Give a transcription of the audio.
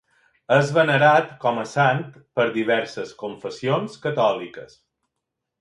És venerat com a sant per diverses confessions catòliques.